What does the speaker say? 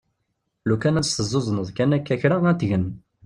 Lukan ad tt-tezzuzneḍ kan akka kra ad tgen.